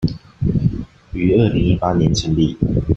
於二零一八年成立